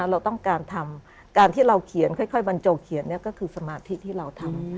เราต้องการทำการที่เราเขียนค่อยบรรจงเขียนก็คือสมาธิที่เราทำ